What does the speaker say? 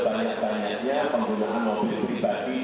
baik yang nangkepnya nanti sebaliknya jakarta kmat